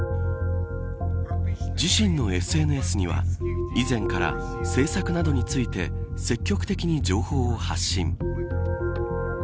自身のＳＮＳには以前から、政策などについて積極的に情報を発信。